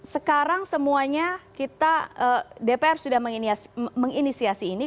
sekarang semuanya kita dpr sudah menginisiasi ini